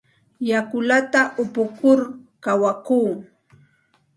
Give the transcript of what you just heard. Yakullata upukur kawakuu.